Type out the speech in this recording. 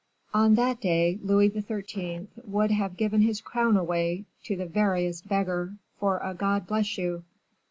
On that day, Louis XIII. would have given his crown away to the veriest beggar for a 'God bless you.